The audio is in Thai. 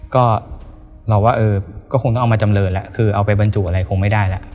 ก็เราว่าเออก็คงต้องเอามาจำเรินแล้วคือเอาไปบรรจุอะไรคงไม่ได้แล้ว